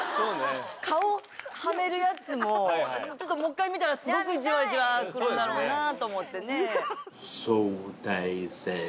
顔はめるやつもちょっともう１回見たらスゴくじわじわくるんだろうなと思ってね。